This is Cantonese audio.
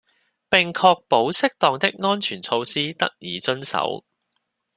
並確保適當的安全措施得以遵守